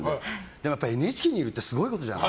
でも、やっぱりＮＨＫにいるってすごいことじゃない。